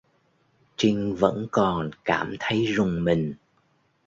Trinh vẫn còn cảm thấy rùng mình